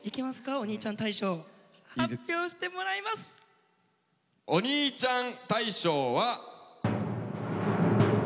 おにいちゃん大賞は。